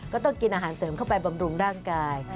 ก็ต้องกินอาหารเสริมเข้าไปบำรุงร่างกาย